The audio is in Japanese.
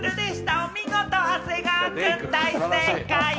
お見事、長谷川君、大正解！